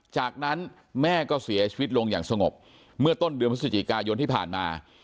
จากนั้นแม่ก็เสียชีวิตลงอย่างสงบเมื่อต้นเดือนพฤศจิกายนที่ผ่านมา